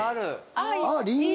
あっりんごが。